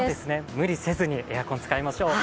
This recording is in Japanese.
無理せずにエアコン使いましょう。